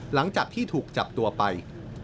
หลังจากที่ถูกจับตัวไป